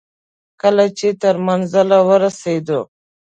کله چې تر منزل ورسېدو.